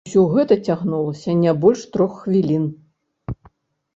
Усё гэта цягнулася не больш трох хвілін.